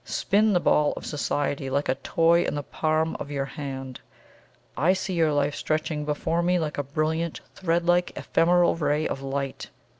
Spin the ball of Society like a toy in the palm of your hand! I see your life stretching before me like a brilliant, thread like ephemeral ray of light!